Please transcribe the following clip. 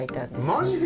マジで？